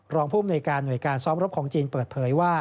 รองพุมหน่วยการซ้อมรบของจีนเปิดเผยว่า